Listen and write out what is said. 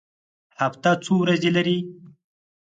هفته څو ورځې لري؟